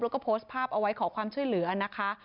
แล้วก็โพสต์ภาพเอาไว้ขอความช่วยเหลือนะคะ